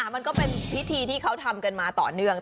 มันก็เป็นพิธีที่เขาทำกันมาต่อเนื่อง